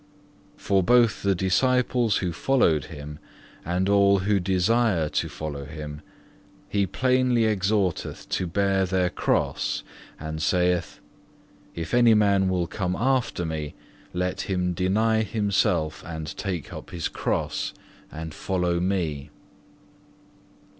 For both the disciples who followed Him, and all who desire to follow Him, He plainly exhorteth to bear their cross, and saith, If any man will come after Me, let him deny himself and take up his cross, and follow Me.